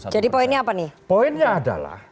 jadi poinnya apa nih poinnya adalah